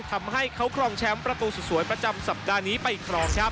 ทำให้เขาครองแชมป์ประตูสุดสวยประจำสัปดาห์นี้ไปครองครับ